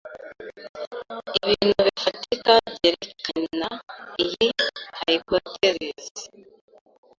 Ibintu bifatika byerekana iyi hypothesis.